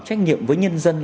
trách nhiệm với nhân dân